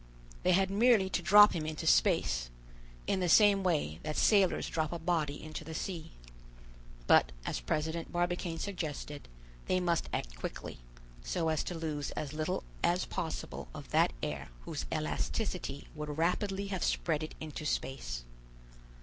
They had merely to drop him into space, in the same way that sailors drop a body into the sea; but, as President Barbicane suggested, they must act quickly, so as to lose as little as possible of that air whose elasticity would rapidly have spread it into space.